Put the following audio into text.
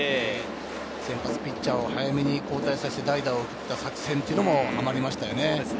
先発ピッチャーを早めに交代させて、代打を送った作戦がはまりましたよね。